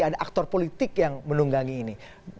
ada aktor politik yang menunggangi ini